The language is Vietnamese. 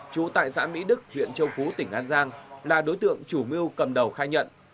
trú tại xã mỹ đức huyện châu phú tỉnh an giang là đối tượng chủ mưu cầm đầu khai nhận